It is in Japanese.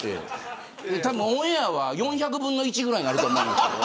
たぶん、オンエアは４００分の１ぐらいになると思うんですけど。